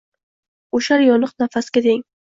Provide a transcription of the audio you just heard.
O’shal yoniq nafasga teng